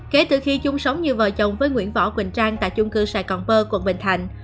kể từ khi chung sống như vợ chồng với nguyễn võ quỳnh trang tại chung cư sài gòn pơ quận bình thạnh